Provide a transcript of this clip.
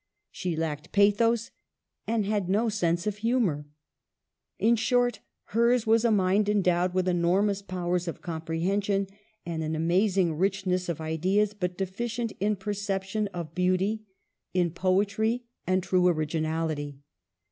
She lacked pathos, and had no sense of humor. In short, hers was a mind en dowed with enormous powers of comprehension, and an amazing richness of ideas, but deficient in perception of beauty, in poetry, and true originality.